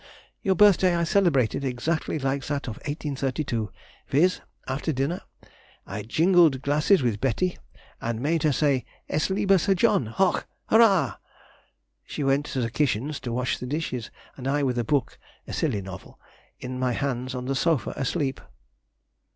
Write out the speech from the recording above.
Your birthday I celebrated exactly like that of 1832, viz., after dinner I jingled glasses with Betty, and made her say, "Es lebe Sir John! hoch! hurrah!" She went in the kitchen to wash the dishes, and I with a book (a silly novel) in my hand on the sofa asleep!...